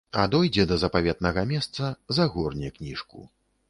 А дойдзе да запаветнага месца, загорне кніжку.